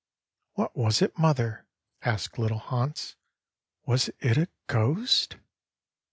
"What was it, mother?" asked little Hans; "was it a ghost?"